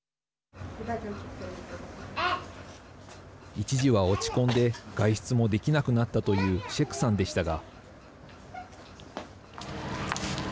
一時は落ち込んで外出もできなくなったというシェクさんでしたが。